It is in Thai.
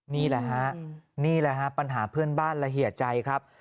นี่แหละค่ะปัญหาเพื่อนบ้านระเฮียใจครับ